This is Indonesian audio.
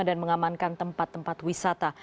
dan mengamankan tempat tempat wisata